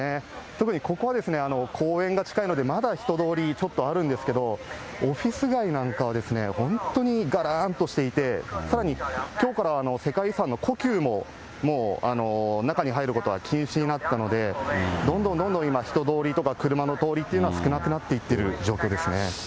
特にここはですね、公園が近いのでまだ人通り、ちょっとあるんですけど、オフィス街なんかは本当にがらーんとしていて、さらにきょうから、世界遺産の故宮ももう中に入ることは禁止になったので、どんどんどんどん今、人通りとか、車の通りというのは、少なくなっていってる状況ですね。